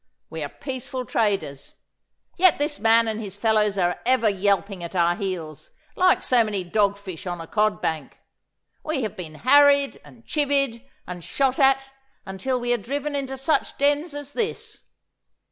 We are peaceful traders. Yet this man and his fellows are ever yelping at our heels, like so many dogfish on a cod bank. We have been harried, and chivied, and shot at until we are driven into such dens as this.